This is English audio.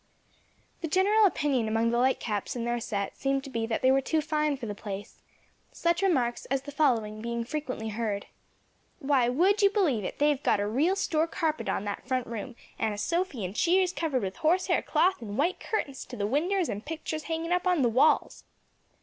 The general opinion among the Lightcaps and their set seemed to be that they were too fine for the place; such remarks as the following being frequently heard, "Why would you believe it, they've got a real store carpet on that front room, and a sofy and cheers covered with horse hair cloth and white curtains to the winders and picturs hanging up on to the walls."